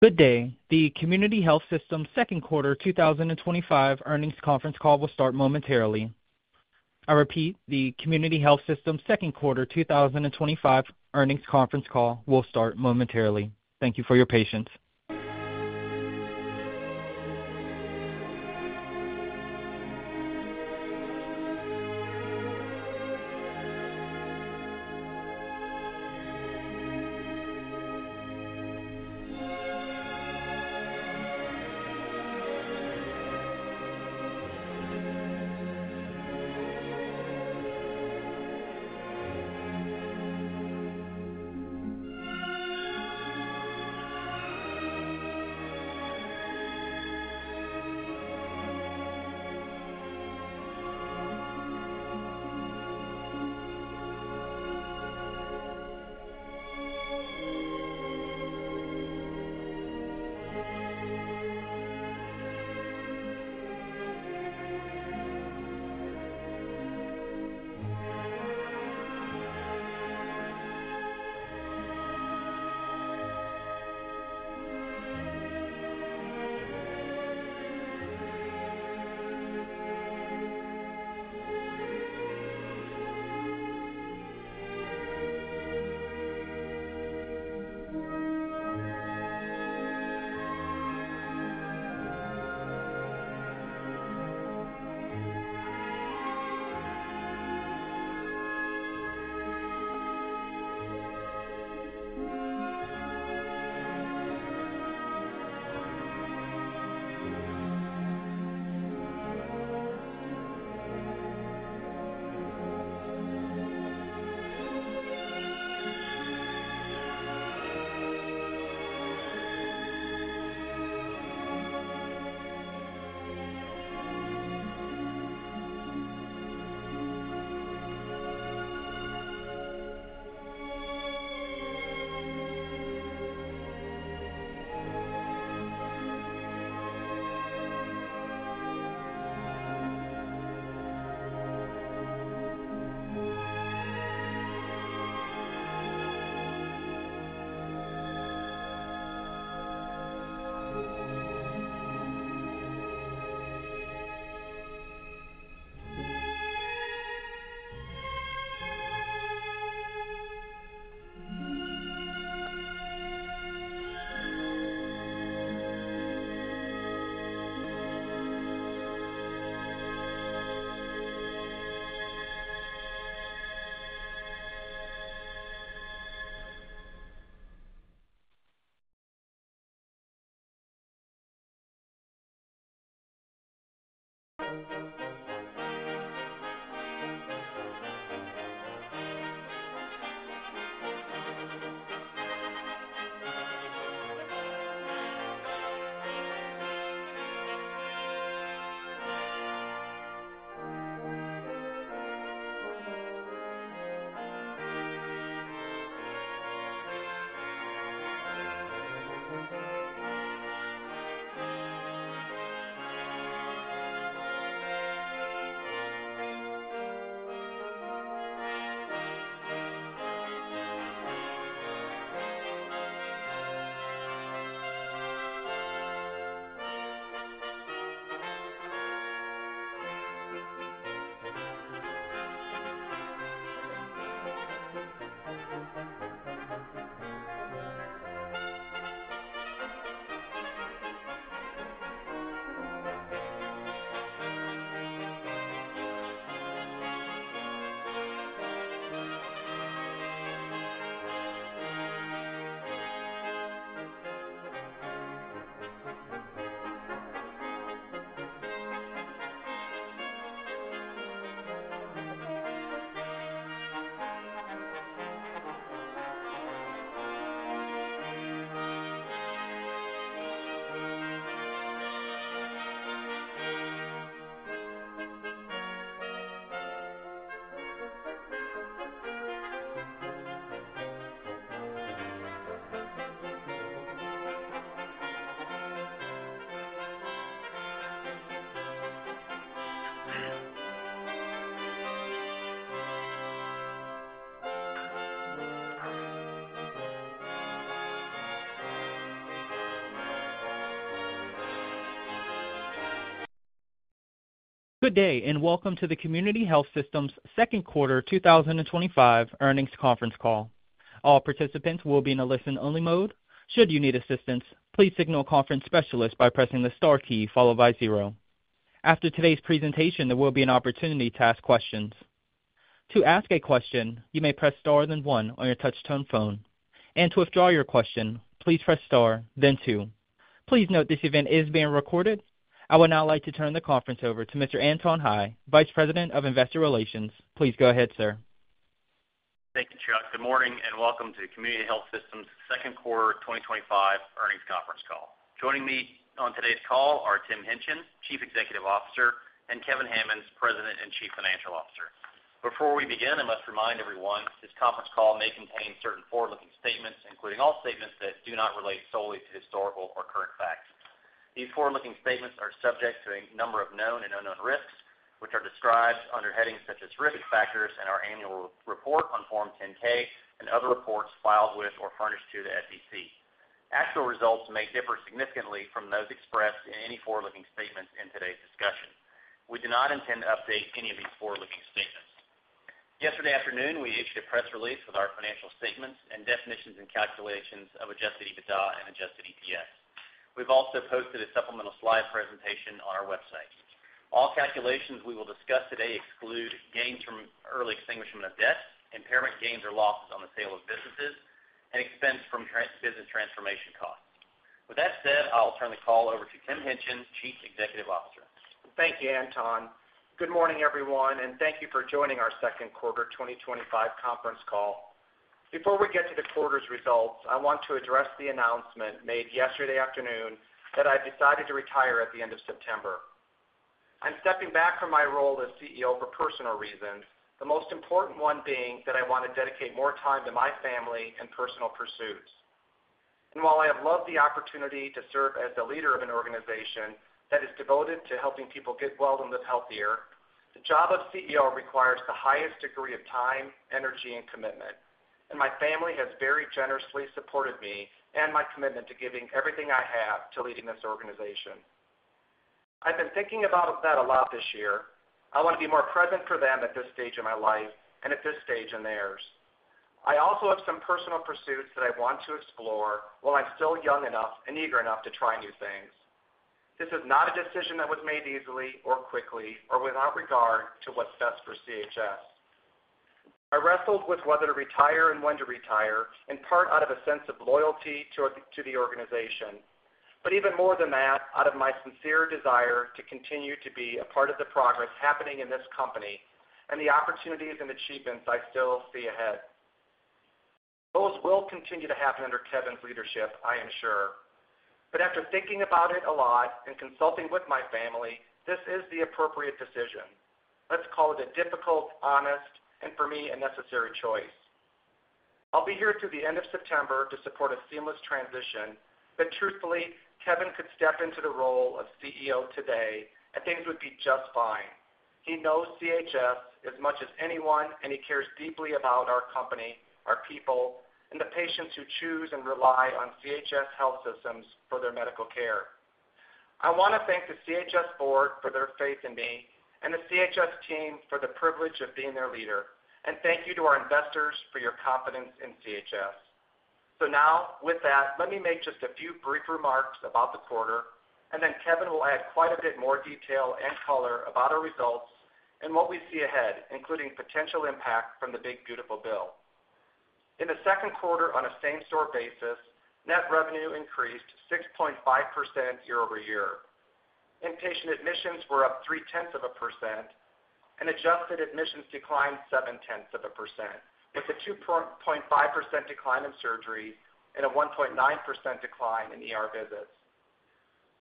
Good day. The Community Health Systems Second Quarter 2025 Earnings Conference Call will start momentarily. I repeat, the Community Health Systems Second Quarter 2025 Earnings Conference Call will start momentarily. Thank you for your patience. Good day and welcome to the Community Health Systems Second Quarter 2025 Earnings Conference Call. All participants will be in a listen-only mode. Should you need assistance, please signal a conference specialist by pressing the star key followed by zero. After today's presentation, there will be an opportunity to ask questions. To ask a question, you may press star then one on your touch-tone phone, and to withdraw your question, please press star then two. Please note this event is being recorded. I would now like to turn the conference over to Mr. Anton Hie, Vice President of Investor Relations. Please go ahead, sir. Thank you, Chuck. Good morning and welcome to the Community Health Systems Second Quarter 2025 Earnings Conference Call. Joining me on today's call are Tim Hingtgen, Chief Executive Officer, and Kevin Hammons, President and Chief Financial Officer. Before we begin, I must remind everyone this conference call may contain certain forward-looking statements, including all statements that do not relate solely to historical or current facts. These forward-looking statements are subject to a number of known and unknown risks, which are described under headings such as Risk Factors in our annual report on Form 10-K and other reports filed with or furnished to the SEC. Actual results may differ significantly from those expressed in any forward-looking statements in today's discussion. We do not intend to update any of these forward-looking statements. Yesterday afternoon, we issued a press release with our financial statements and definitions and calculations of Adjusted EBITDA and Adjusted EPS. We've also posted a supplemental slide presentation on our website. All calculations we will discuss today exclude gains from early extinguishment of debt, impairment gains or losses on the sale of businesses, and expense from business transformation costs. With that said, I'll turn the call over to Tim Hingtgen, Chief Executive Officer. Thank you, Anton. Good morning, everyone, and thank you for joining our second quarter 2025 conference call. Before we get to the quarter's results, I want to address the announcement made yesterday afternoon that I decided to retire at the end of September. I'm stepping back from my role as CEO for personal reasons, the most important one being that I want to dedicate more time to my family and personal pursuits. While I have loved the opportunity to serve as the leader of an organization that is devoted to helping people get well and live healthier, the job of CEO requires the highest degree of time, energy, and commitment. My family has very generously supported me and my commitment to giving everything I have to leading this organization. I've been thinking about that a lot this year. I want to be more present for them at this stage in my life and at this stage in theirs. I also have some personal pursuits that I want to explore while I'm still young enough and eager enough to try new things. This is not a decision that was made easily or quickly or without regard to what's best for CHS. I wrestled with whether to retire and when to retire, in part out of a sense of loyalty to the organization, but even more than that, out of my sincere desire to continue to be a part of the progress happening in this company and the opportunities and achievements I still see ahead. Those will continue to happen under Kevin's leadership, I ensure. After thinking about it a lot and consulting with my family, this is the appropriate decision. Let's call it a difficult, honest, and for me, a necessary choice. I'll be here through the end of September to support a seamless transition. Truthfully, Kevin could step into the role of CEO today, and things would be just fine. He knows CHS as much as anyone, and he cares deeply about our company, our people, and the patients who choose and rely on CHS Health Systems for their medical care. I want to thank the CHS board for their faith in me and the CHS team for the privilege of being their leader. Thank you to our investors for your confidence in CHS. With that, let me make just a few brief remarks about the quarter, and then Kevin will add quite a bit more detail and color about our results and what we see ahead, including potential impact from the Big Beautiful Bill. In the second quarter, on a same-store basis, net revenue increased 6.5% year-over-year. Inpatient admissions were up 0.3%, and adjusted admissions declined 0.7%, with a 2.5% decline in surgery and a 1.9% decline in visits.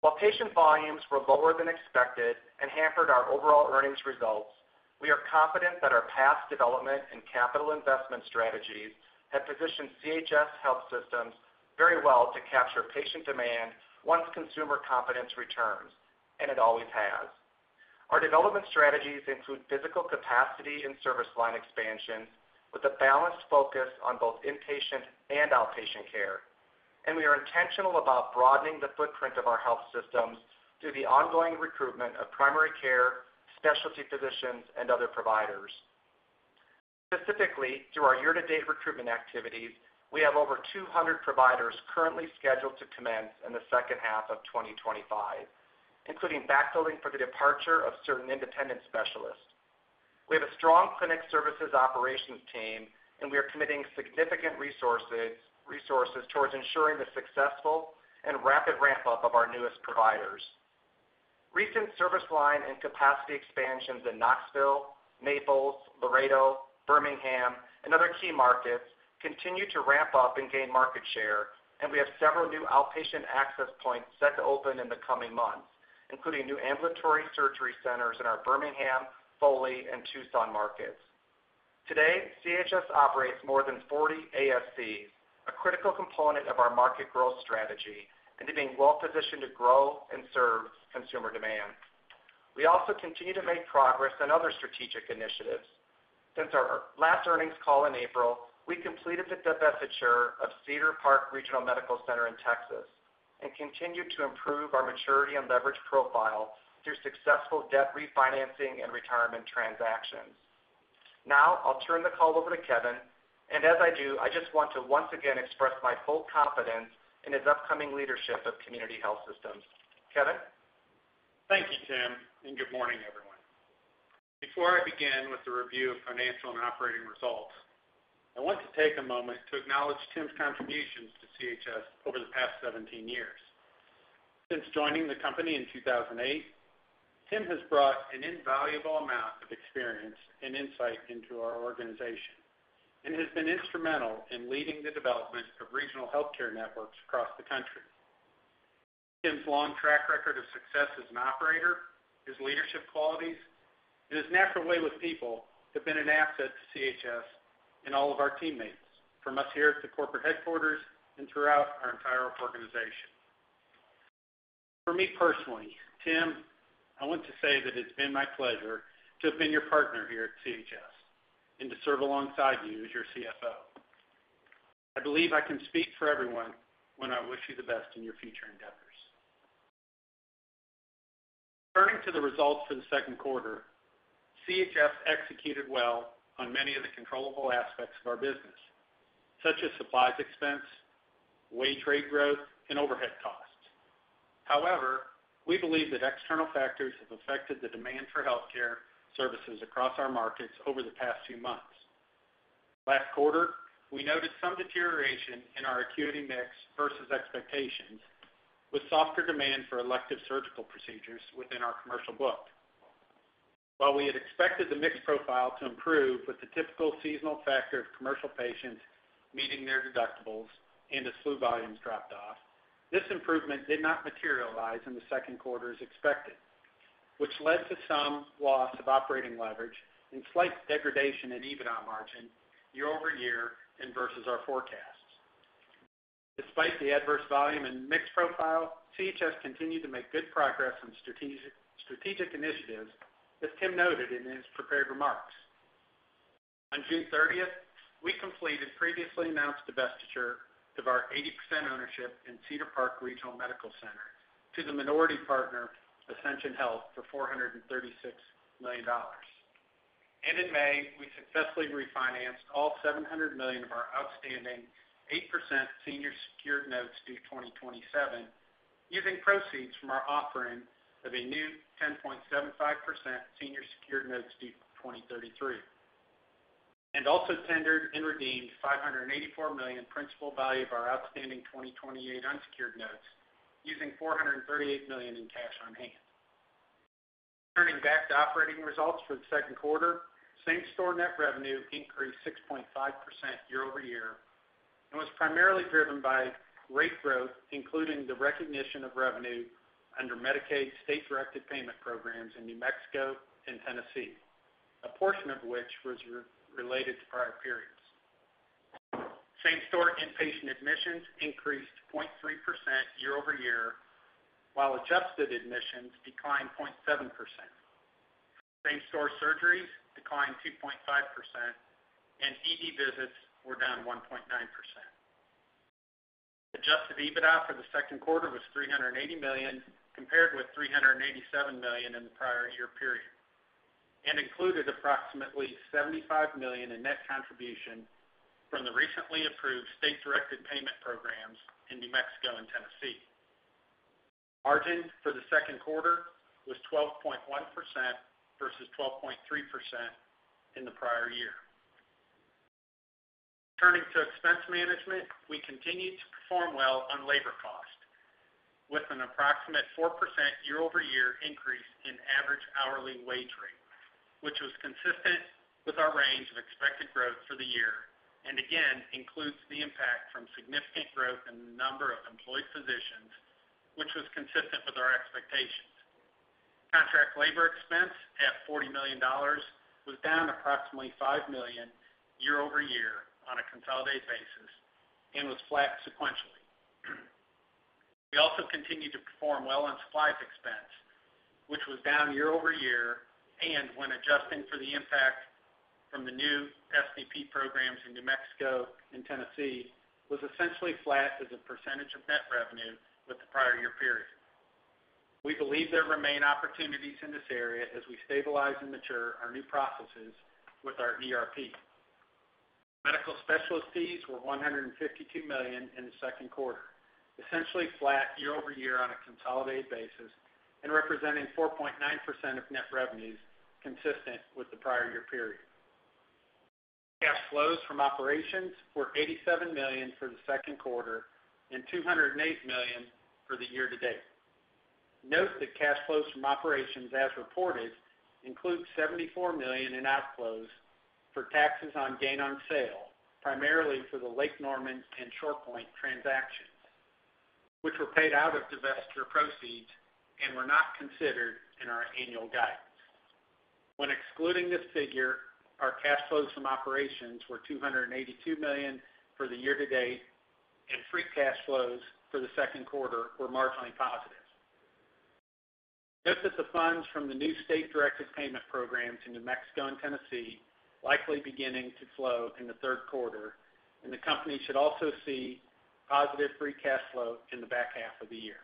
While patient volumes were lower than expected and hampered our overall earnings results, we are confident that our past development and capital investment strategies have positioned CHS Health Systems very well to capture patient demand once Consumer Confidence returns, and it always has. Our development strategies include physical capacity and service line expansion with a balanced focus on both inpatient and outpatient care. We are intentional about broadening the footprint of our health systems through the ongoing recruitment of primary care, specialty physicians, and other providers. Specifically, through our year-to-date recruitment activities, we have over 200 providers currently scheduled to commence in the second half of 2025, including backfilling for the departure of certain independent specialists. We have a strong clinic services operations team, and we are committing significant resources towards ensuring the successful and rapid ramp-up of our newest providers. Recent service line and capacity expansions in Knoxville, Naples, Laredo, Birmingham, and other key markets continue to ramp up and gain market share have several new outpatient access points set to open in the coming months, including new Ambulatory Surgery Centers in our Birmingham, Foley, and Tucson markets. Today, CHS operates more than 40 ASCs, a critical component of our market growth strategy and being well-positioned to grow and serve consumer demand. We also continue to make progress on other strategic initiatives. Since our last earnings call in April, we completed the divestiture of Cedar Park Regional Medical Center in Texas and continued to improve our maturity and leverage profile through successful debt refinancing and retirement transactions. Now, I'll turn the call over to Kevin, and as I do, I just want to once again express my full confidence in his upcoming leadership of Community Health Systems. Kevin? Thank you, Tim, and good morning, everyone. Before I begin with the review of financial and operating results, I want to take a moment to acknowledge Tim's contributions to CHS over the past 17 years. Since joining the company in 2008, Tim has brought an invaluable amount of experience and insight into our organization and has been instrumental in leading the development of regional healthcare networks across the country. Tim's long track record of success as an operator, his leadership qualities, and his natural way with people have been an asset to CHS and all of our teammates, from us here at the corporate headquarters and throughout our entire organization. For me personally, Tim, I want to say that it's been my pleasure to have been your partner here at CHS and to serve alongside you as your CFO. I believe I can speak for everyone when I wish you the best in your future endeavors. Turning to the results for the second quarter, CHS executed well on many of the controllable aspects of our business, such as supplies expense, wage rate growth, and overhead costs. However, we believe that external factors have affected the demand for healthcare services across our markets over the past few months. Last quarter, we noticed some deterioration in our Acuity Mix versus expectations, with softer demand for elective surgical procedures within our commercial world. While we had expected the mix profile to improve with the typical seasonal factor of commercial patients meeting their deductibles and as flu volumes dropped off, this improvement did not materialize in the second quarter as expected, which led to some loss of operating leverage and slight degradation in EBITDA margin year-over-year and versus our forecasts. Despite the adverse volume and mix profile, CHS continued to make good progress on strategic initiatives, as Tim noted in his prepared remarks. On June 30th, we completed previously announced divestiture of our 80% ownership in Cedar Park Regional Medical Center to the minority partner Ascension Health for $436 million. In May, we successfully refinanced all $700 million of our outstanding 8% senior secured notes due 2027, using proceeds from our offering of a new 10.75% senior secured notes due 2033, and also tendered and redeemed $584 million in principal value of our outstanding 2028 unsecured notes, using $438 million in cash on hand. Turning back to operating results for the second quarter. Same-store net revenue increased 6.5% year-over-year and was primarily driven by rate growth, including the recognition of revenue State-Directed Payment Programs in new Mexico and Tennessee, a portion of which was related to prior periods. Same-store inpatient admissions increased 0.3% year-over-year, while adjusted admissions declined 0.7%. Same-store surgeries declined 2.5%, and ED visits were down 1.9%. Adjusted EBITDA for the second quarter was $380 million, compared with $387 million in the prior year period, and included approximately $75 million in net contribution from the State-Directed Payment Programs in new Mexico and Tennessee. Margin for the second quarter was 12.1% versus 12.3% in the prior year. Turning to expense management, we continued to perform well on labor cost, with an approximate 4% year-over-year increase in average hourly wage rate, which was consistent with our range of expected growth for the year and again includes the impact from significant growth in the number of employed physicians, which was consistent with our expectations. Contract labor expense at $40 million was down approximately $5 million year-over-year on a consolidated basis and was flat sequentially. We also continued to perform well on supplies expense, which was down year-over-year, and when adjusting for the impact from the new DPP programs in New Mexico and Tennessee, was essentially flat as a percentage of net revenue with the prior year period. We believe there remain opportunities in this area as we stabilize and mature our new processes with our ERP. Medical specialist fees were $152 million in the second quarter, essentially flat year-over-year on a consolidated basis and representing 4.9% of net revenues, consistent with the prior year period. Cash flows from operations were $87 million for the second quarter and $208 million for the year-to-date. Note that cash flows from operations, as reported, include $74 million in outflows for taxes on gain on sale, primarily for the Lake Norman and ShorePoint transactions, which were paid out of divestiture proceeds and were not considered in our annual guidance. When excluding this figure, our cash flows from operations were $282 million for the year-to-date, and Free Cash Flows for the second quarter were marginally positive. Note that the funds from the new State-Directed Payment Program to New Mexico and Tennessee are likely beginning to flow in the third quarter, and the company should also see positive Free Cash Flow in the back half of the year.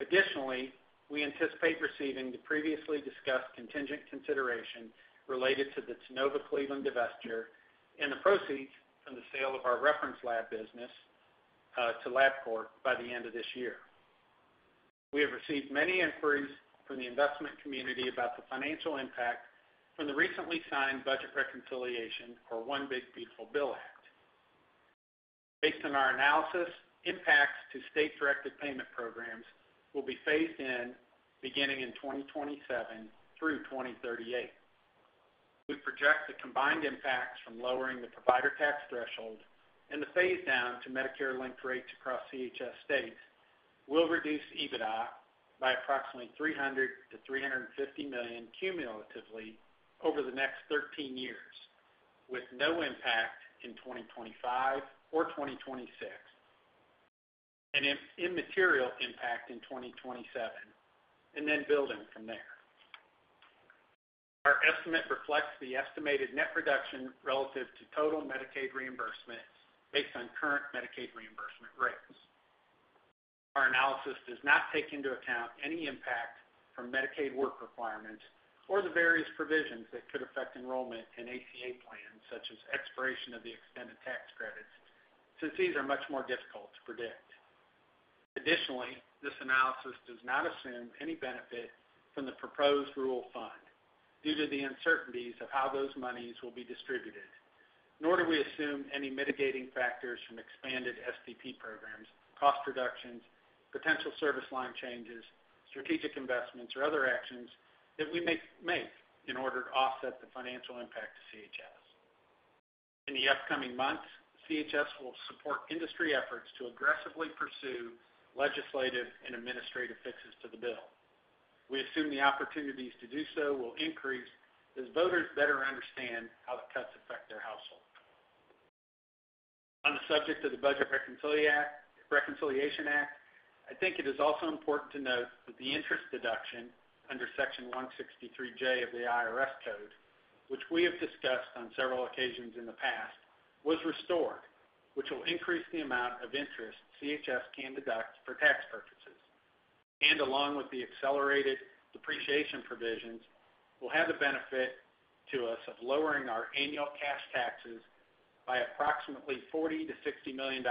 Additionally, we anticipate receiving the previously discussed contingent consideration related to the Tennova-Cleveland divestiture and the proceeds from the sale of our reference lab business to Labcorp by the end of this year. We have received many inquiries from the investment community about the financial impact from the recently signed budget reconciliation for One Big Beautiful Bill Act. Based on our analysis, State-Directed Payment Programs will be phased in beginning in 2027 through 2038. We project the combined impacts from lowering the provider tax threshold and the phase down to Medicare linked rates across CHS states will reduce EBITDA by approximately $300 million to $350 million cumulatively over the next 13 years, with no impact in 2025 or 2026 and an immaterial impact in 2027 and then building from there. Our estimate reflects the estimated net reduction relative to total Medicaid reimbursement based on current Medicaid reimbursement rates. Our analysis does not take into account any impact from Medicaid work requirements or the various provisions that could affect enrollment in ACA plans, such as expiration of the extended tax credits, since these are much more difficult to predict. Additionally, this analysis does not assume any benefit from the proposed rule fund due to the uncertainties of how those monies will be distributed, nor do we assume any mitigating factors from expanded DPP programs, cost reductions, potential service line changes, strategic investments, or other actions that we may make in order to offset the financial impact to CHS. In the upcoming months, CHS will support industry efforts to aggressively pursue legislative and administrative fixes to the bill. We assume the opportunities to do so will increase as voters better understand how the cuts affect their household. On the subject of the Budget Reconciliation Act, I think it is also important to note that the interest deduction under Section 163(j) of the IRS Code, which we have discussed on several occasions in the past, was restored, which will increase the amount of interest CHS can deduct for tax purposes. Along with the accelerated depreciation provisions, we'll have the benefit to us of lowering our annual cash taxes by approximately $40 million to $60 million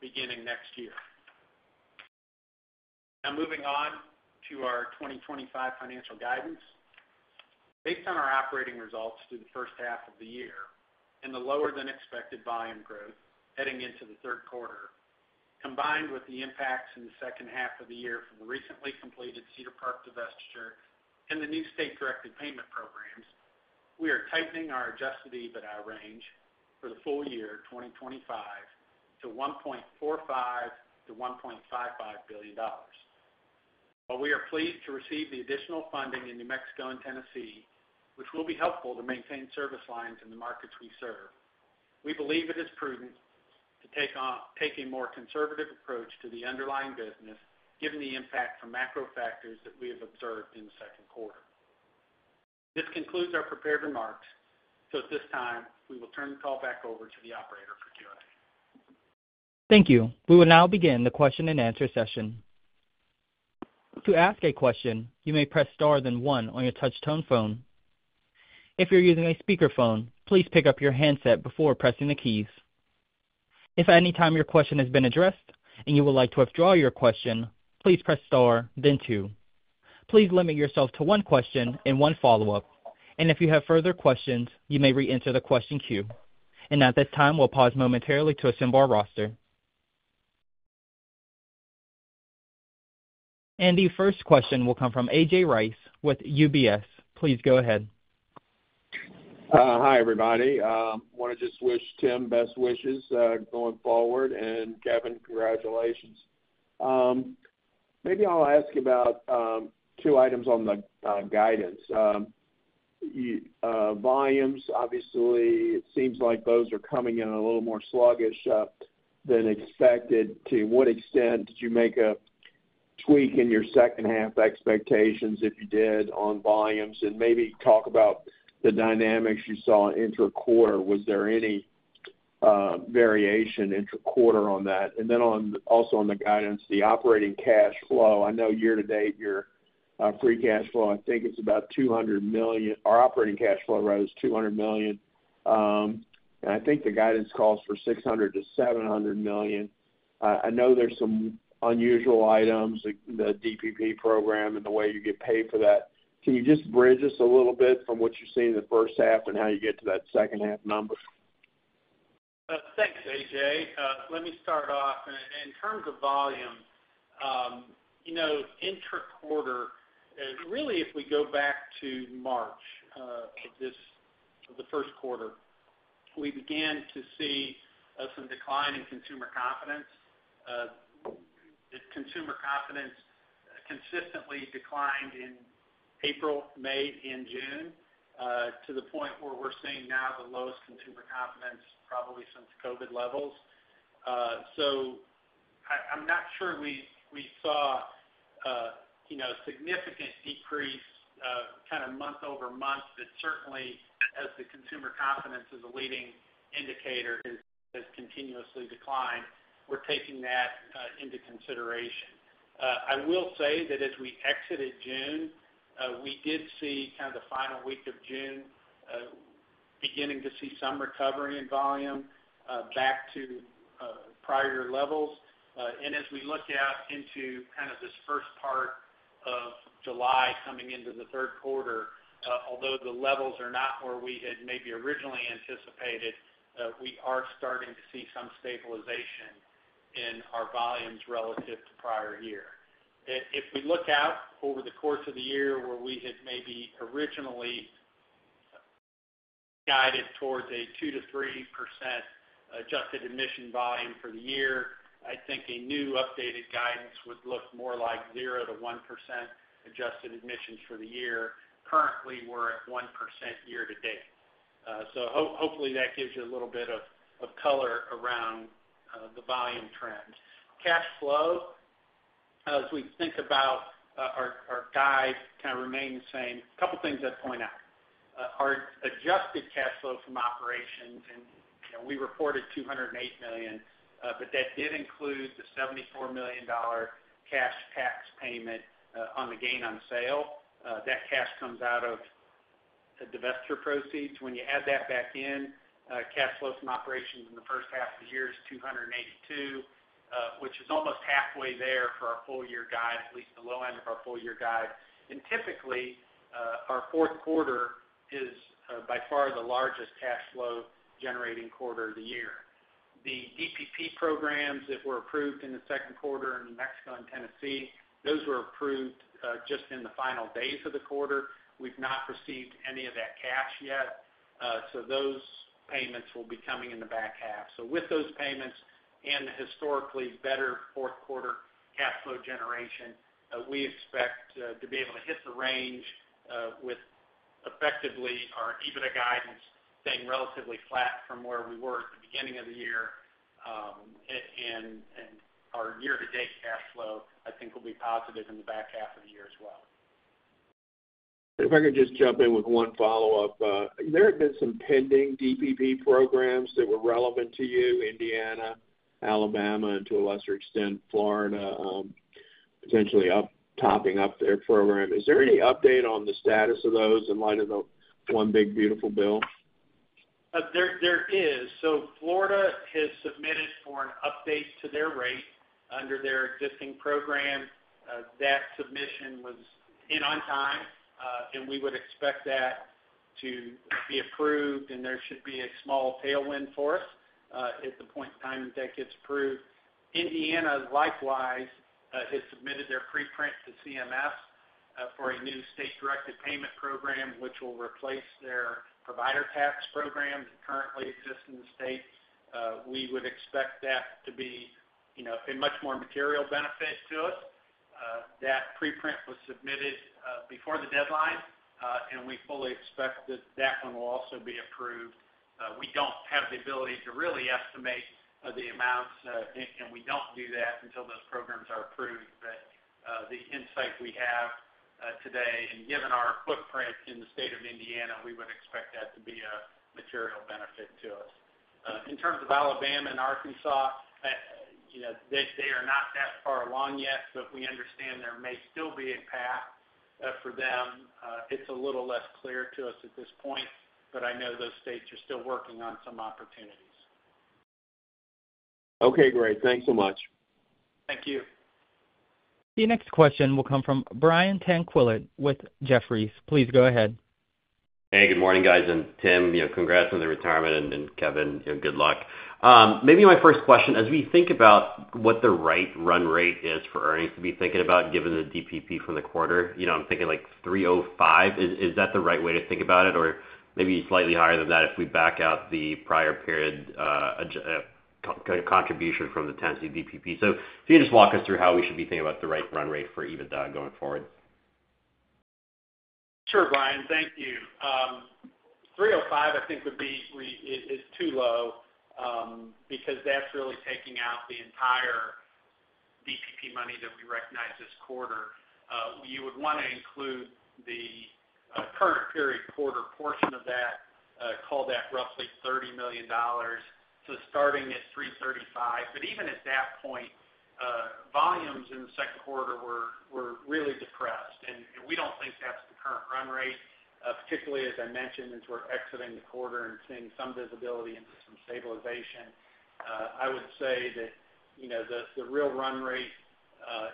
beginning next year. Moving on to our 2025 financial guidance. Based on our operating results through the first half of the year and the lower than expected volume growth heading into the third quarter, combined with the impacts in the second half of the year from the recently completed Cedar Park divestiture and State-Directed Payment Programs, we are tightening our Adjusted EBITDA range for the full year 2025 to $1.45 billion to $1.55 billion. While we are pleased to receive the additional funding in New Mexico and Tennessee, which will be helpful to maintain service lines in the markets we serve, we believe it is prudent to take a more conservative approach to the underlying business, given the impact from macro factors that we have observed in the second quarter. This concludes our prepared remarks. At this time, we will turn the call back over to the operator for Q&A. Thank you. We will now begin the question and answer session. To ask a question, you may press star then one on your touch-tone phone. If you're using a speakerphone, please pick up your handset before pressing the keys. If at any time your question has been addressed and you would like to withdraw your question, please press star then two. Please limit yourself to one question and one follow-up. If you have further questions, you may re-enter the question queue. At this time, we'll pause momentarily to assemble our roster. The first question will come from A.J. Rice with UBS. Please go ahead. Hi, everybody. I want to just wish Tim best wishes going forward. Kevin, congratulations. Maybe I'll ask you about two items on the guidance. Volumes, obviously, it seems like those are coming in a little more sluggish than expected. To what extent did you make a tweak in your second half expectations, if you did, on volumes? Maybe talk about the dynamics you saw in intra-quarter. Was there any variation intra-quarter on that? Also on the guidance, the operating cash flow, I know year-to-date your Free Cash Flow, I think it's about $200 million. Our operating cash flow rose $200 million. I think the guidance calls for $600 million to $700 million. I know there's some unusual items, the DPP program and the way you get paid for that. Can you just bridge us a little bit from what you've seen in the first half and how you get to that second half number? Thanks, A.J. Let me start off. In terms of volume, you know, intra-quarter, really, if we go back to March of this, of the first quarter, we began to see some decline in Consumer Confidence. The Consumer Confidence consistently declined in April, May, and June, to the point where we're seeing now the lowest Consumer Confidence probably since COVID levels. I'm not sure we saw a significant decrease kind of month over month, but certainly, as the Consumer Confidence is a leading indicator, has continuously declined. We're taking that into consideration. I will say that as we exited June, we did see kind of the final week of June beginning to see some recovery in volume back to the prior year levels. As we look out into kind of this first part of July coming into the third quarter, although the levels are not where we had maybe originally anticipated, we are starting to see some stabilization in our volumes relative to the prior year. If we look out over the course of the year where we had maybe originally guided towards a 2%-3% adjusted admission volume for the year, I think a new updated guidance would look more like 0%-1% adjusted admissions for the year. Currently, we're at 1% year-to-date. Hopefully, that gives you a little bit of color around the volume trend. Cash flow, as we think about our guide, kind of remain the same. A couple of things I'd point out. Our adjusted cash flow from operations, and we reported $208 million, but that did include the $74 million cash tax payment on the gain on sale. That cash comes out of divestiture proceeds. When you add that back in, cash flow from operations in the first half of the year is $282 million, which is almost halfway there for our full-year guide, at least the low end of our full-year guide. Typically, our fourth quarter is by far the largest cash flow-generating quarter of the year. The DPP programs that were approved in the second quarter in New Mexico and Tennessee, those were approved just in the final days of the quarter. We've not received any of that cash yet. Those payments will be coming in the back half. With those payments and the historically better fourth quarter cash flow generation, we expect to be able to hit the range with effectively our EBITDA guidance staying relatively flat from where we were at the beginning of the year. Our year-to-date cash flow, I think, will be positive in the back half of the year as well. If I could just jump in with one follow-up. There have been some pending DPP programs that were relevant to you, Indiana, Alabama, and to a lesser extent, Florida, potentially topping up their program. Is there any update on the status of those in light of the One Big Beautiful Bill? There is. Florida has submitted for an update to their rate under their existing program. That submission was in on time, and we would expect that to be approved, and there should be a small tailwind for us at the point in time that that gets approved. Indiana, likewise, has submitted their preprint to CMS for a new State-Directed Payment Program, which will replace their provider tax program that currently exists in the state. We would expect that to be, you know, a much more material benefit to us. That preprint was submitted before the deadline, and we fully expect that that one will also be approved. We don't have the ability to really estimate the amounts, and we don't do that until those programs are approved. The insight we have today, and given our footprint in the state of Indiana, we would expect that to be a material benefit to us. In terms of Alabama and Arkansas, they are not that far along yet, but we understand there may still be a path for them. It's a little less clear to us at this point, but I know those states are still working on some opportunities. Okay, great. Thanks so much. Thank you. The next question will come from Brian Tanquilut with Jefferies. Please go ahead. Hey, good morning, guys. Tim, congrats on the retirement, and Kevin, good luck. Maybe my first question, as we think about what the right run rate is for earnings to be thinking about, given the DPP from the quarter, I'm thinking like $305 million. Is that the right way to think about it, or maybe slightly higher than that if we back out the prior period contribution from the Tennessee DPP? If you could just walk us through how we should be thinking about the right run rate for EBITDA going forward. Sure, Brian. Thank you. $305 million, I think, would be too low because that's really taking out the entire DPP money that we recognize this quarter. You would want to include the current period quarter portion of that, call that roughly $30 million. Starting at $335 million. Even at that point, volumes in the second quarter were really depressed, and we don't think that's the current run rate, particularly, as I mentioned, as we're exiting the quarter and seeing some visibility into some stabilization. I would say that the real run rate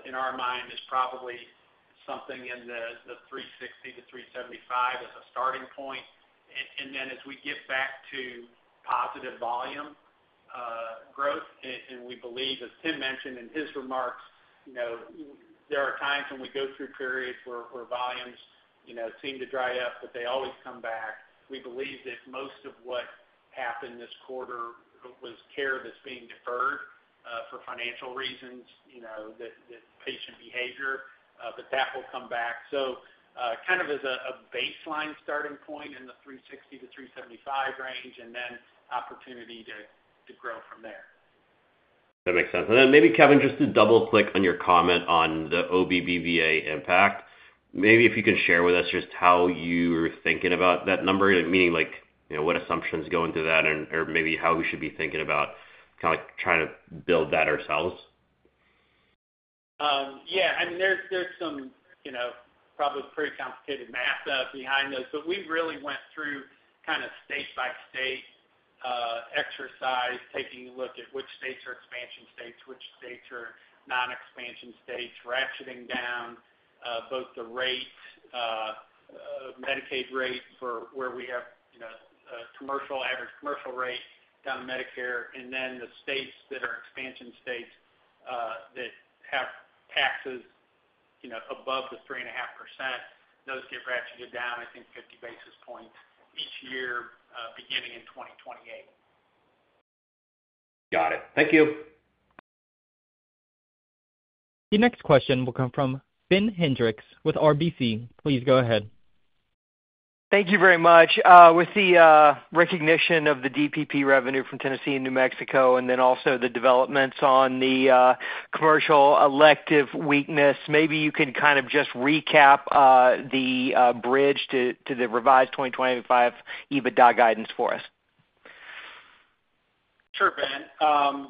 in our mind is probably something in the $360 million-$375 million as a starting point. As we get back to positive volume growth, and we believe, as Tim mentioned in his remarks, there are times when we go through periods where volumes seem to dry up, but they always come back. We believe that most of what happened this quarter was care that's being deferred for financial reasons, the patient behavior, but that will come back. As a baseline starting point in the $360 million-$375 million range, and then opportunity to grow from there. That makes sense. Kevin, just to double-click on your comment on the OBBBA impact, maybe if you could share with us just how you're thinking about that number, meaning like, you know, what assumptions go into that, or maybe how we should be thinking about kind of trying to build that ourselves? Yeah, I mean, there's some probably pretty complicated math behind those, but we really went through kind of state-by-state exercise, taking a look at which states are expansion states, which states are non-expansion states, ratcheting down both the rate, Medicaid rate for where we have average commercial rate down to Medicare, and then the states that are expansion states that have taxes above the 3.5%, those get ratcheted down, I think, 50 basis points each year beginning in 2028. Got it. Thank you. The next question will come from Ben Hendrix with RBC. Please go ahead. Thank you very much. With the recognition of the DPP revenue from Tennessee and New Mexico, and then also the developments on the commercial elective weakness, maybe you can kind of just recap the bridge to the revised 2025 EBITDA guidance for us. Sure, Ben.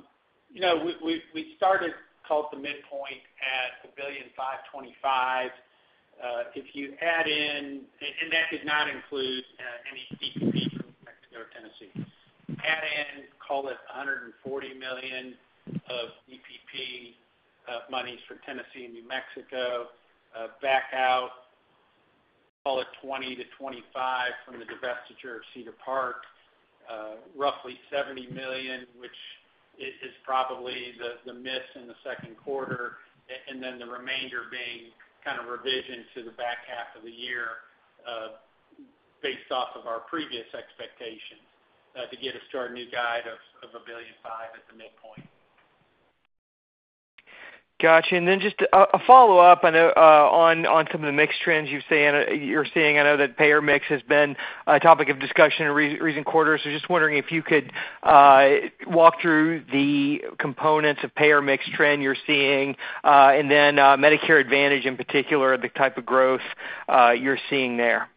You know, we started, call the midpoint at $1.525 billion. If you add in, and that did not include any DPP from New Mexico or Tennessee, add in, call it $140 million of DPP monies from Tennessee and New Mexico, back out, call it $20 million-$25 million from the divestiture of Cedar Park, roughly $70 million, which is probably the miss in the second quarter, and then the remainder being kind of revision to the back half of the year based off of our previous expectations to get a started new guide of $1.5 billion at the midpoint. Got you. Just a follow-up, I know, on some of the mixed trends you're seeing. I know that payer mix has been a topic of discussion in recent quarters. I'm just wondering if you could walk through the components of payer mix trend you're seeing, and then Medicare Advantage in particular, the type of growth you're seeing there.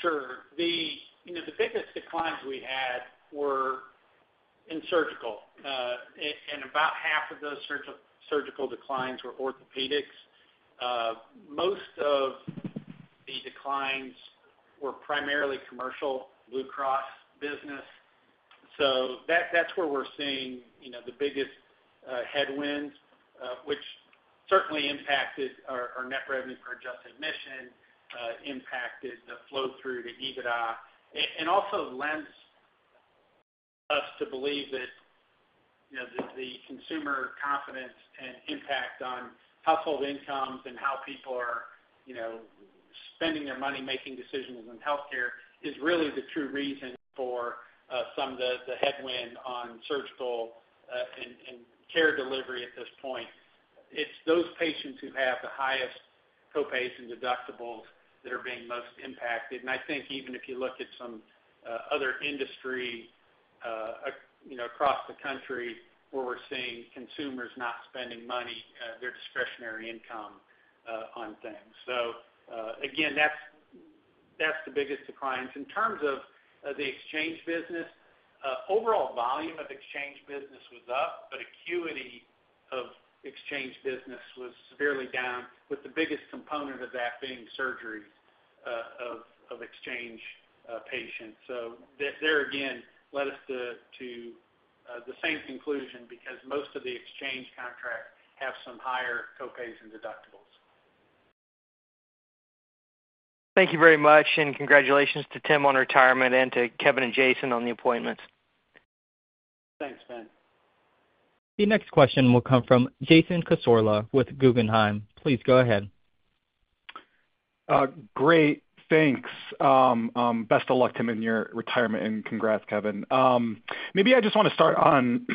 Sure. The biggest declines we had were in surgical, and about half of those surgical declines were orthopedics. Most of the declines were primarily commercial Blue Cross business. That's where we're seeing the biggest headwinds, which certainly impacted our net revenue per adjusted admission, impacted the flow through to EBITDA, and also lends us to believe that the Consumer Confidence and impact on household incomes and how people are spending their money making decisions in healthcare is really the true reason for some of the headwind on surgical and care delivery at this point. It's those patients who have the highest copays and deductibles that are being most impacted. I think even if you look at some other industry across the country where we're seeing consumers not spending money, their discretionary income on things. That's the biggest declines. In terms of the exchange business, overall volume of exchange business was up, but acuity of exchange business was severely down, with the biggest component of that being surgeries of exchange patients. That there, again, led us to the same conclusion because most of the exchange contracts have some higher copays and deductibles. Thank you very much, and congratulations to Tim on retirement and to Kevin and Jason on the appointments. Thanks, Ben. The next question will come from Jason Cassorla with Guggenheim. Please go ahead. Great, thanks. Best of luck, Tim, in your retirement, and congrats, Kevin. Maybe I just want to start on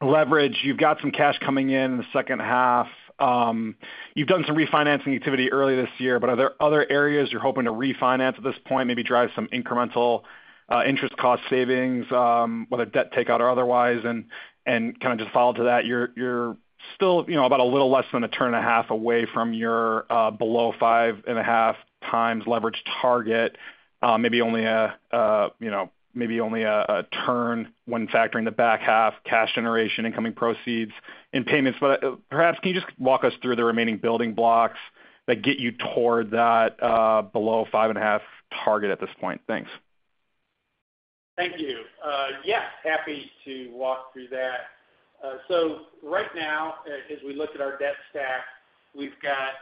leverage. You've got some cash coming in in the second half. You've done some refinancing activity early this year, but are there other areas you're hoping to refinance at this point, maybe drive some incremental interest cost savings, whether debt takeout or otherwise? You're still about a little less than a turn and a half away from your below 5.5x leverage target, maybe only a turn when factoring the back half cash generation, incoming proceeds, and payments. Perhaps, can you just walk us through the remaining building blocks that get you toward that below 5.5 target at this point? Thanks. Thank you. Yeah, happy to walk through that. Right now, as we look at our debt stack, we've got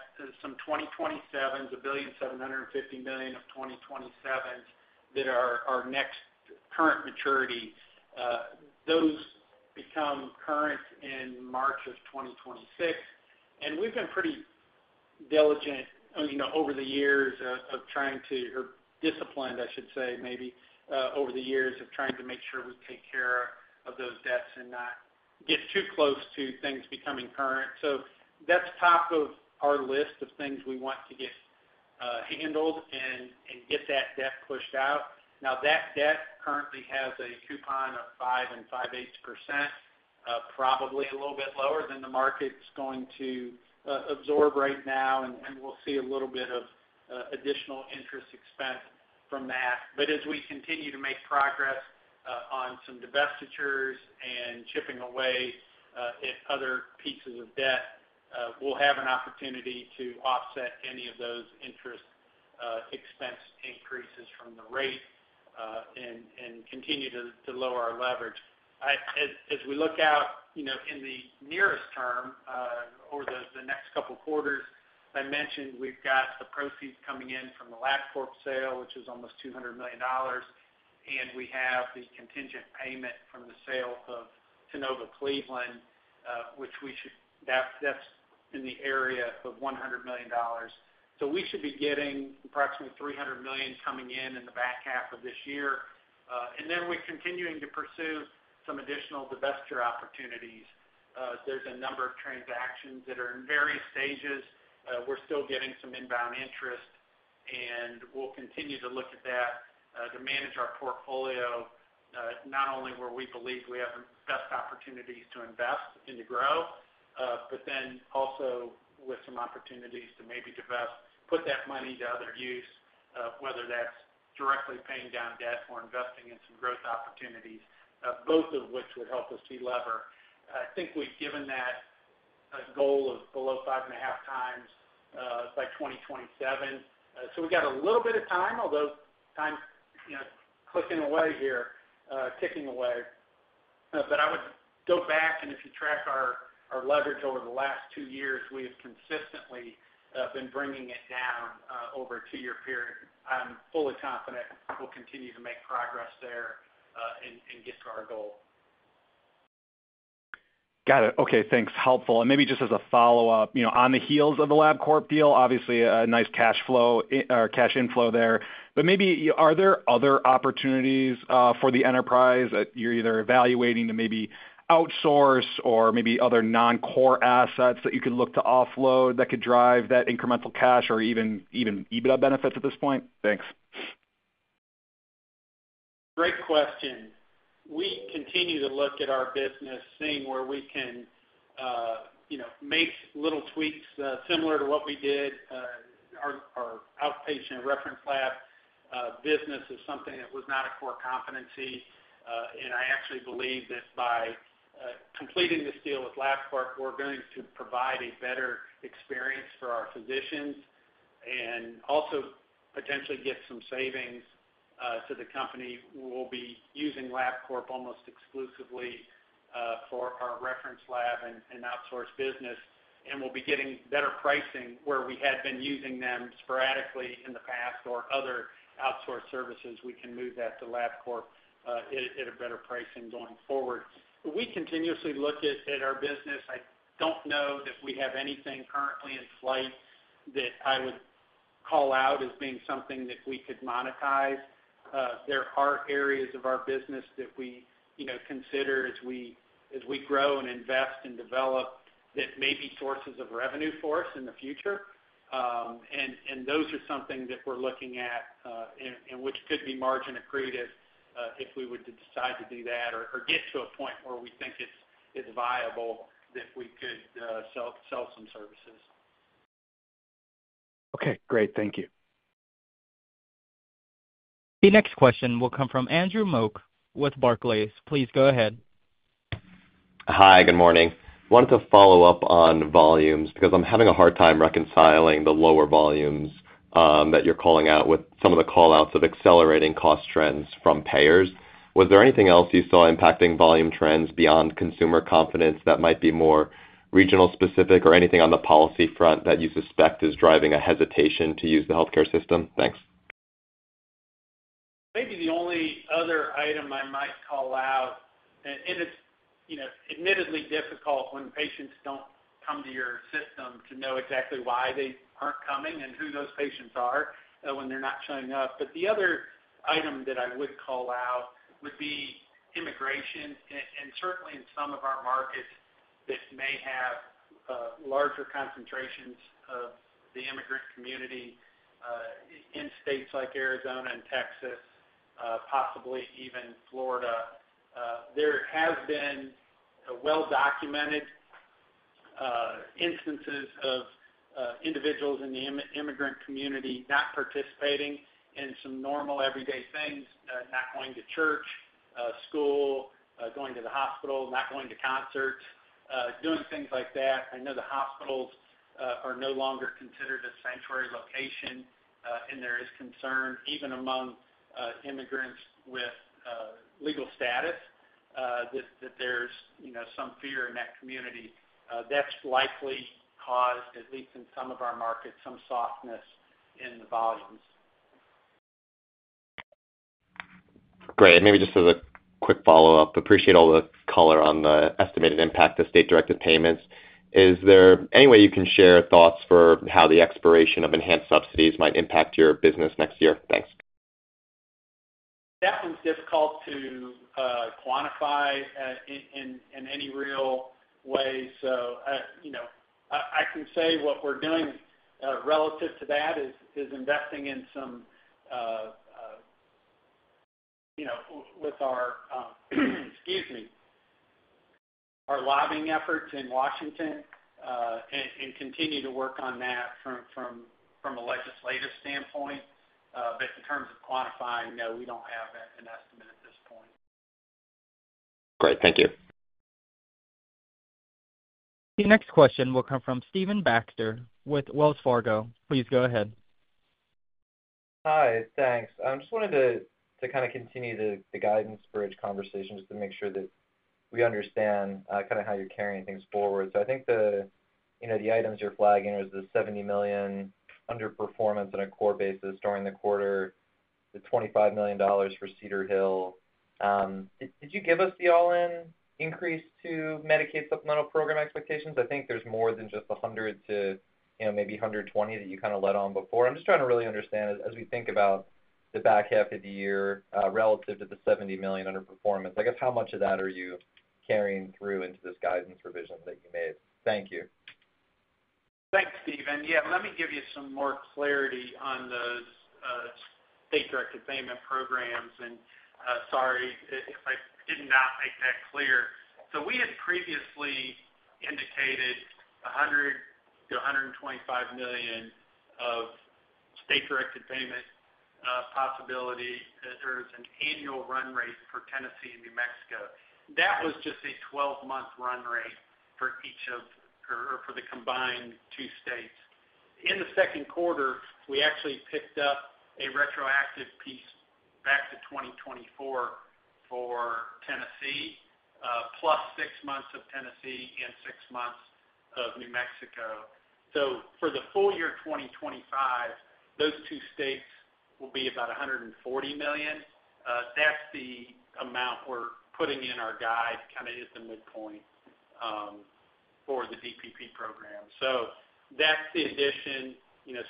some 2027s, $1.75 billion of 2027s that are our next current maturity. Those become current in March of 2026. We've been pretty diligent, or disciplined, I should say, over the years of trying to make sure we take care of those debts and not get too close to things becoming current. That's top of our list of things we want to get handled and get that debt pushed out. That debt currently has a coupon of 5% and 5.8%, probably a little bit lower than the market's going to absorb right now, and we'll see a little bit of additional interest expense from that. As we continue to make progress on some divestitures and chipping away at other pieces of debt, we'll have an opportunity to offset any of those interest expense increases from the rate and continue to lower our leverage. As we look out, in the nearest term, over the next couple of quarters, I mentioned we've got the proceeds coming in from the Labcorp sale, which is almost $200 million, and we have the contingent payment from the sale of Tennova Cleveland, which is in the area of $100 million. We should be getting approximately $300 million coming in in the back half of this year. We're continuing to pursue some additional divestiture opportunities. There's a number of transactions that are in various stages. We're still getting some inbound interest, and we'll continue to look at that to manage our portfolio, not only where we believe we have the best opportunities to invest and to grow, but also with some opportunities to maybe put that money to other use, whether that's directly paying down debt or investing in some growth opportunities, both of which would help us de-lever. I think we've given that goal of below 5.5x by 2027. We've got a little bit of time, although time's ticking away. If you track our leverage over the last two years, we have consistently been bringing it down over a two-year period. I'm fully confident we'll continue to make progress there and get to our goal. Got it. Okay, thanks. Helpful. Maybe just as a follow-up, you know, on the heels of the Labcorp deal, obviously a nice cash flow or cash inflow there. Maybe are there other opportunities for the enterprise that you're either evaluating to maybe outsource or maybe other non-core assets that you could look to offload that could drive that incremental cash or even EBITDA benefits at this point? Thanks. Great question. We continue to look at our business, seeing where we can make little tweaks similar to what we did. Our outpatient reference lab business is something that was not a core competency. I actually believe that by completing this deal with Labcorp, we're going to provide a better experience for our physicians and also potentially get some savings to the company. We'll be using Labcorp almost exclusively for our reference lab and outsourced business, and we'll be getting better pricing where we had been using them sporadically in the past or other outsourced services. We can move that to Labcorp at better pricing going forward. We continuously look at our business. I don't know that we have anything currently in flight that I would call out as being something that we could monetize. There are areas of our business that we consider as we grow and invest and develop that may be sources of revenue for us in the future. Those are something that we're looking at, which could be margin accretive if we were to decide to do that or get to a point where we think it's viable that we could sell some services. Okay, great. Thank you. The next question will come from Andrew Mok with Barclays. Please go ahead. Hi, good morning. Wanted to follow up on volumes because I'm having a hard time reconciling the lower volumes that you're calling out with some of the callouts of accelerating cost trends from payers. Was there anything else you saw impacting volume trends beyond Consumer Confidence that might be more regional specific or anything on the policy front that you suspect is driving a hesitation to use the healthcare system? Thanks. Maybe the only other item I might call out, it's admittedly difficult when patients don't come to your system to know exactly why they aren't coming and who those patients are when they're not showing up. The other item that I would call out would be immigration. Certainly in some of our markets, this may have larger concentrations of the immigrant community in states like Arizona and Texas, possibly even Florida. There have been well-documented instances of individuals in the immigrant community not participating in some normal everyday things, not going to church, school, going to the hospital, not going to concerts, doing things like that. I know the hospitals are no longer considered a sanctuary location, and there is concern even among immigrants with legal status that there's some fear in that community. That's likely caused, at least in some of our markets, some softness in the volumes. Great. Maybe just as a quick follow-up, appreciate all the color on the estimated impact of state-directed payments. Is there any way you can share thoughts for how the expiration of enhanced subsidies might impact your business next year? Thanks. That one's difficult to quantify in any real way. I can say what we're doing relative to that is investing in some, with our lobbying efforts in Washington, and continue to work on that from a legislative standpoint. In terms of quantifying, no, we don't have an estimate at this point. Great. Thank you. The next question will come from Stephen Baxter with Wells Fargo. Please go ahead. Hi, thanks. I just wanted to continue the guidance bridge conversation just to make sure that we understand how you're carrying things forward. I think the items you're flagging are the $70 million underperformance on a core basis during the quarter, the $25 million for Cedar Hill. Did you give us the all-in increase to Medicaid supplemental program expectations? I think there's more than just $100 million to maybe $120 million that you kind of led on before. I'm just trying to really understand as we think about the back half of the year relative to the $70 million underperformance. I guess how much of that are you carrying through into this guidance revision that you made? Thank you. Thanks, Stephen. Let me give you some more clarity State-Directed Payment Programs. sorry if I did not make that clear. We had previously indicated $100 million-$125 million of state-directed payment possibility. There is an annual run rate for Tennessee and New Mexico. That was just a 12-month run rate for each of, or for the combined two states. In the second quarter, we actually picked up a retroactive piece back to 2024 for Tennessee, plus six months of Tennessee and six months of New Mexico. For the full year 2025, those two states will be about $140 million. That's the amount we're putting in our guide, kind of at the midpoint for the DPP program. That's the addition.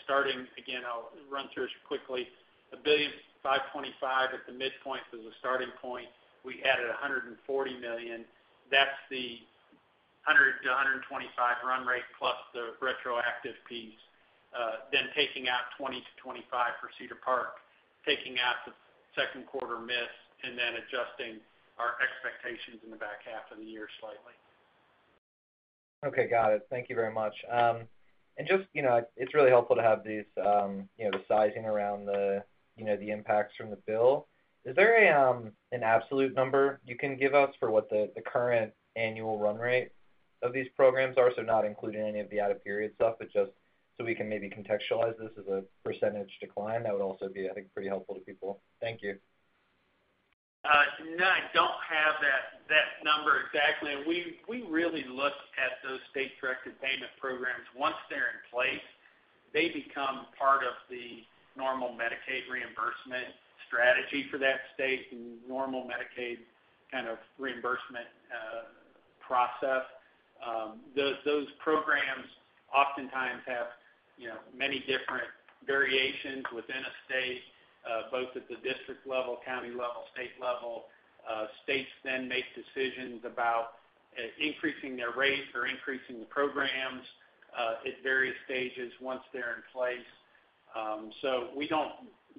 Starting again, I'll run through it quickly. $1.525 billion at the midpoint for the starting point. We added $140 million. That's the $100 million-$125 million run rate plus the retroactive piece. Taking out $20 million-$25 million for Cedar Park, taking out the second quarter miss, and then adjusting our expectations in the back half of the year slightly. Okay, got it. Thank you very much. It's really helpful to have the sizing around the impacts from the bill. Is there an absolute number you can give us for what the current annual run rate of these programs are? Not including any of the out-of-period stuff, just so we can maybe contextualize this as a % decline. That would also be, I think, pretty helpful to people. Thank you. No, I don't have that number exactly. We really look State-Directed Payment Programs. once they're in place, they become part of the normal Medicaid reimbursement strategy for that state, the normal Medicaid kind of reimbursement process. Those programs oftentimes have many different variations within a state, both at the district level, county level, state level. States then make decisions about increasing their rates or increasing the programs at various stages once they're in place. We don't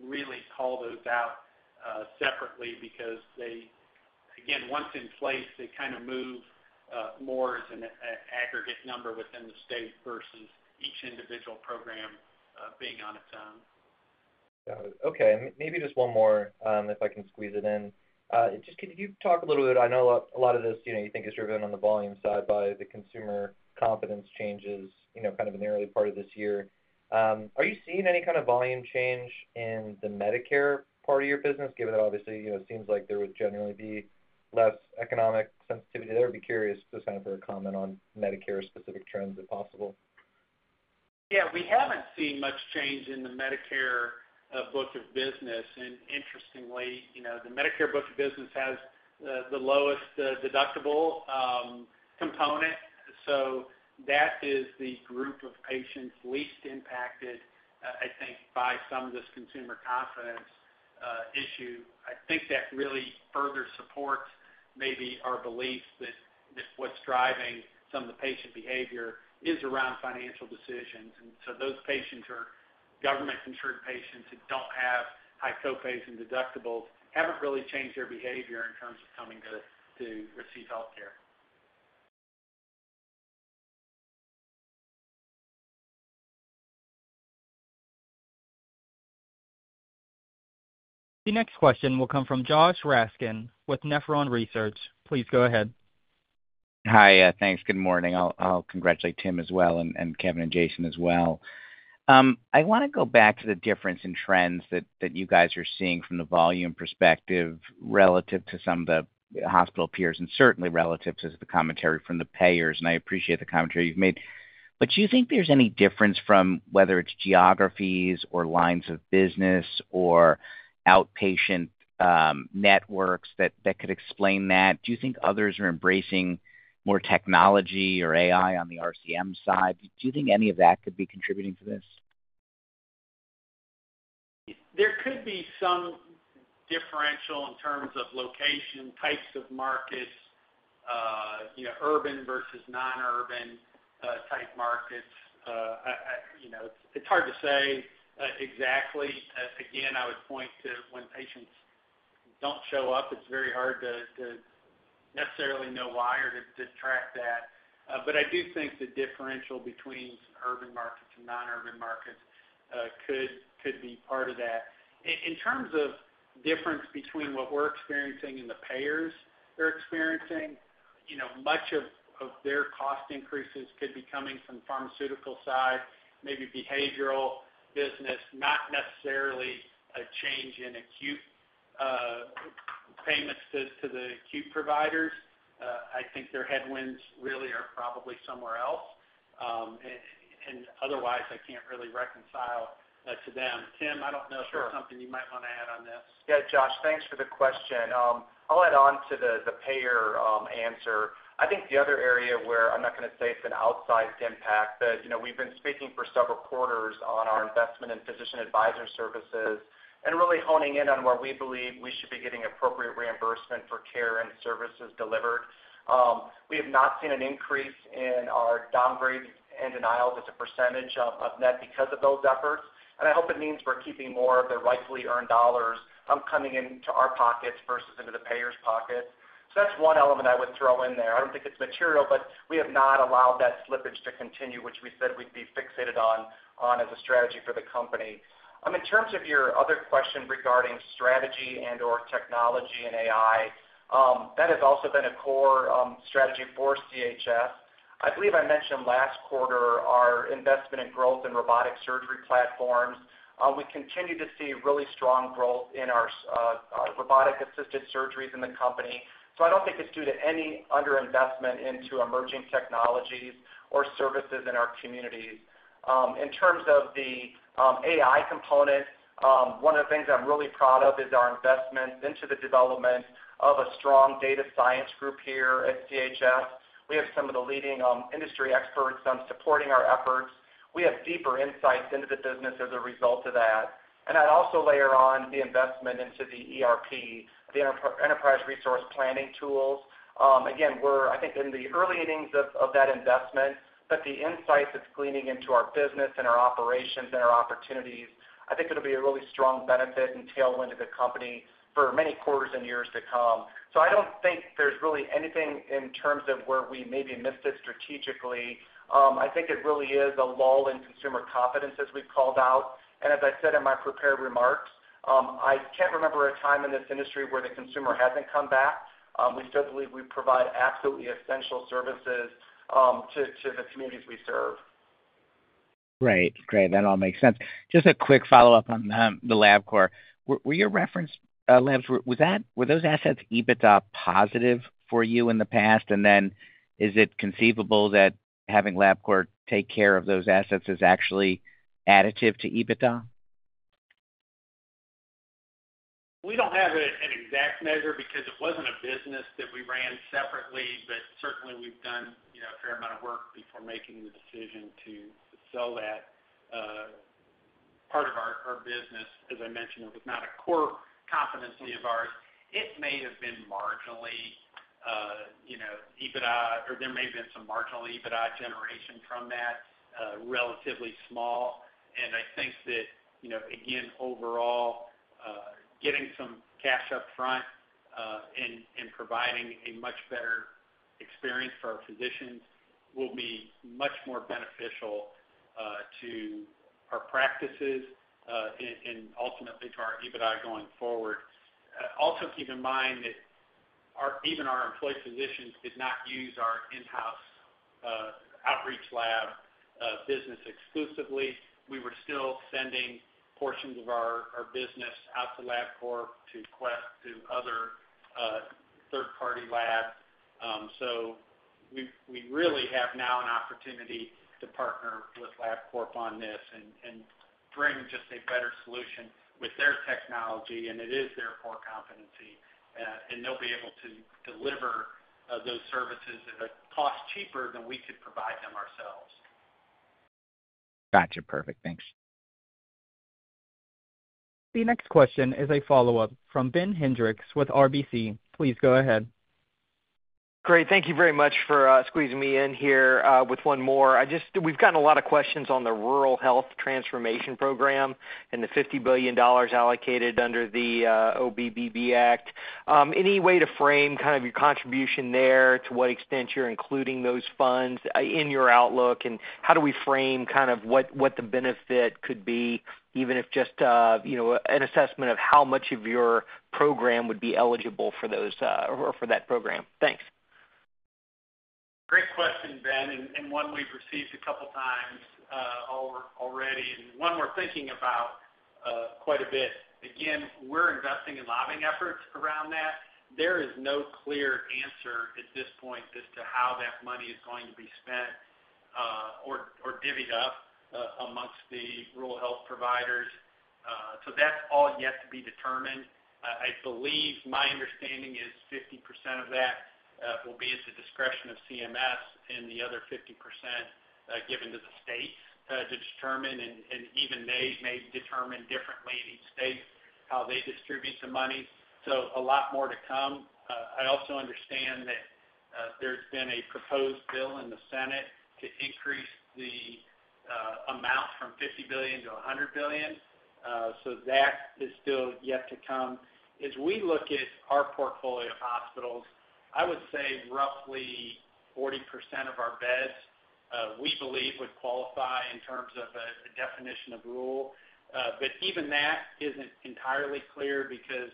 really call those out separately because they, again, once in place, they kind of move more as an aggregate number within the state versus each individual program being on its own. Got it. Okay. Maybe just one more, if I can squeeze it in. Could you talk a little bit? I know a lot of this, you think is driven on the volume side by the Consumer Confidence changes, kind of in the early part of this year. Are you seeing any kind of volume change in the Medicare part of your business, given that obviously, it seems like there would generally be less economic sensitivity there? I'd be curious just for a comment on Medicare specific trends if possible. Yeah, we haven't seen much change in the Medicare book of business. Interestingly, you know, the Medicare book of business has the lowest deductible component. That is the group of patients least impacted, I think, by some of this Consumer Confidence issue. I think that really further supports maybe our belief that what's driving some of the patient behavior is around financial decisions. Those patients who are government-insured patients that don't have high copays and deductibles haven't really changed their behavior in terms of coming to receive healthcare. The next question will come from Josh Raskin with Nephron Research. Please go ahead. Hi, thanks. Good morning. I'll congratulate Tim as well, and Kevin, and Jason as well. I want to go back to the difference in trends that you guys are seeing from the volume perspective relative to some of the hospital peers, certainly relative to the commentary from the payers. I appreciate the commentary you've made. Do you think there's any difference from whether it's geographies or lines of business or outpatient networks that could explain that? Do you think others are embracing more technology or AI on the RCM side? Do you think any of that could be contributing to this? There could be some differential in terms of location, types of markets, you know, urban versus non-urban type markets. It's hard to say exactly. Again, I would point to when patients don't show up, it's very hard to necessarily know why or to track that. I do think the differential between urban markets and non-urban markets could be part of that. In terms of difference between what we're experiencing and the payers are experiencing, much of their cost increases could be coming from the pharmaceutical side, maybe behavioral business, not necessarily a change in acute payments to the acute providers. I think their headwinds really are probably somewhere else. Otherwise, I can't really reconcile to them. Tim, I don't know if there's something you might want to add on this. Yeah, Josh, thanks for the question. I'll add on to the payer answer. I think the other area where I'm not going to say it's an outsized impact, but we've been speaking for several quarters on our investment in physician advisor services and really honing in on where we believe we should be getting appropriate reimbursement for care and services delivered. We have not seen an increase in our downgrade and denials as a percentage of net because of those efforts. I hope it means we're keeping more of the rightfully earned dollars coming into our pockets versus into the payers' pockets. That's one element I would throw in there. I don't think it's material, but we have not allowed that slippage to continue, which we said we'd be fixated on as a strategy for the company. In terms of your other question regarding strategy and/or technology and AI, that has also been a core strategy for CHS. I believe I mentioned last quarter our investment in growth in robotic surgery platforms. We continue to see really strong growth in our robotic-assisted surgeries in the company. I don't think it's due to any underinvestment into emerging technologies or services in our communities. In terms of the AI component, one of the things I'm really proud of is our investments into the development of a strong data science group here at CHS. We have some of the leading industry experts supporting our efforts. We have deeper insights into the business as a result of that. I'd also layer on the investment into the ERP, the Enterprise Resource Planning tools. Again, we're, I think, in the early innings of that investment, but the insights it's cleaning into our business and our operations and our opportunities, I think it'll be a really strong benefit and tailwind to the company for many quarters and years to come. I don't think there's really anything in terms of where we maybe missed it strategically. I think it really is a lull in Consumer Confidence, as we've called out. As I said in my prepared remark, I can't remember a time in this industry where the consumer hasn't come back. We still believe we provide absolutely essential services to the communities we serve. Right. Great. That all makes sense. Just a quick follow-up on the Labcorp. Were your reference labs, were those assets EBITDA positive for you in the past? Is it conceivable that having Labcorp take care of those assets is actually additive to EBITDA? We don't have an exact measure because it wasn't a business that we ran separately, but certainly we've done a fair amount of work before making the decision to sell that part of our business. As I mentioned, it's not a core competency of ours. It may have been marginally, you know, EBITDA, or there may have been some marginal EBITDA generation from that, relatively small. I think that, again, overall, getting some cash up front and providing a much better experience for our physicians will be much more beneficial to our practices and ultimately to our EBITDA going forward. Also, keep in mind that even our employed physicians did not use our in-house outreach lab business exclusively. We were still sending portions of our business out to Labcorp to Quest to other third-party labs. We really have now an opportunity to partner with Labcorp on this and bring just a better solution with their technology, and it is their core competency. They'll be able to deliver those services at a cost cheaper than we could provide them ourselves. Got you. Perfect. Thanks. The next question is a follow-up from Ben Hendrix with RBC. Please go ahead. Great. Thank you very much for squeezing me in here with one more. We've gotten a lot of questions on the Rural Health Transformation Program and the $50 billion allocated under the OBBBA Act. Any way to frame kind of your contribution there, to what extent you're including those funds in your outlook, and how do we frame kind of what the benefit could be, even if just, you know, an assessment of how much of your program would be eligible for those or for that program? Thanks. Great question, Ben, and one we've received a couple of times already, and one we're thinking about quite a bit. Again, we're investing in lobbying efforts around that. There is no clear answer at this point as to how that money is going to be spent or divvied up amongst the rural health providers. That's all yet to be determined. I believe my understanding is 50% of that will be at the discretion of CMS, and the other 50% given to the states to determine, and even they may determine differently in each state how they distribute the money. A lot more to come. I also understand that there's been a proposed bill in the Senate to increase the amount from $50 billion to $100 billion. That is still yet to come. As we look at our portfolio of hospitals, I would say roughly 40% of our beds, we believe, would qualify in terms of a definition of rural. Even that isn't entirely clear because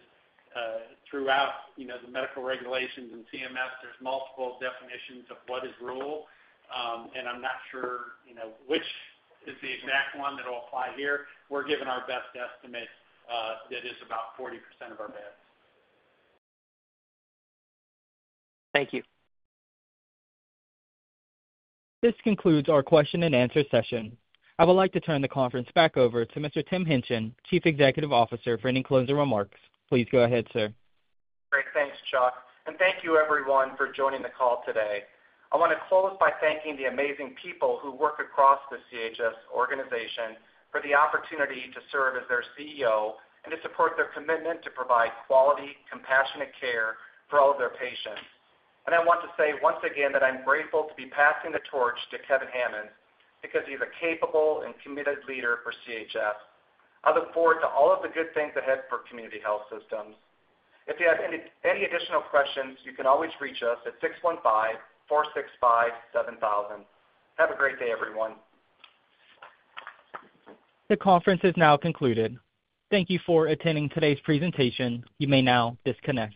throughout the medical regulations and CMS, there's multiple definitions of what is rural. I'm not sure which is the exact one that will apply here. We're giving our best estimate that it's about 40% of our beds. Thank you. This concludes our question and answer session. I would like to turn the conference back over to Mr. Tim Hingtgen, Chief Executive Officer, for any closing remarks. Please go ahead, sir. Great. Thanks, Chuck. Thank you, everyone, for joining the call today. I want to close by thanking the amazing people who work across the CHS organization for the opportunity to serve as their CEO and to support their commitment to provide quality, compassion, and care for all of their patients. I want to say once again that I'm grateful to be passing the torch to Kevin Hammons because he's a capable and committed leader for CHS. I look forward to all of the good things ahead for Community Health Systems. If you have any additional questions, you can always reach us at 615-465-7000. Have a great day, everyone. The conference is now concluded. Thank you for attending today's presentation. You may now disconnect.